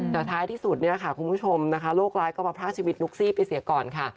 แต่ท้ายที่สุดเนี่ยค่ะคุณผู้ชมนะคะโรคร้ายก็มาพลาดชีวิตนุ๊กซี่ไปเสียก่อนค่ะ